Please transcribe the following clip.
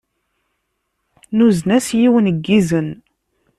Nuzen-as yiwen n yizen.